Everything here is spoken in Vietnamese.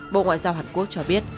bộ ngoại giao hàn quốc cho biết